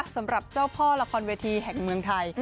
สำหรับเจ้าพ่อละครเวทีแห่งเมืองไทย